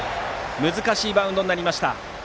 難しいバウンドになりました。